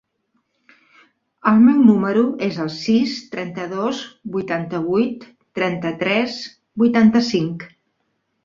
El meu número es el sis, trenta-dos, vuitanta-vuit, trenta-tres, vuitanta-cinc.